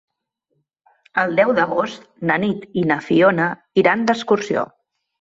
El deu d'agost na Nit i na Fiona iran d'excursió.